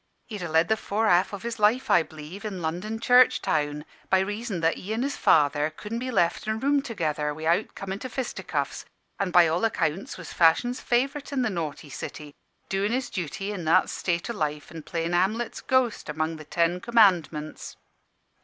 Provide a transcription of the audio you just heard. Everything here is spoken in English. He'd a led the fore half o' his life, I b'lieve, in London church town, by reason that he an' his father couldn' be left in a room together wi'out comin' to fisticuffs: an' by all accounts was fashion's favourite in the naughty city, doin' his duty in that state o' life an' playing Hamlet's ghost among the Ten Commandments.